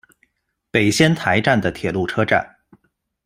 北仙台站的铁路车站。